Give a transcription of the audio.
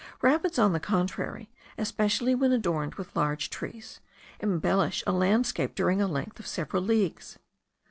Rapids, on the contrary, especially when adorned with large trees, embellish a landscape during a length of several leagues.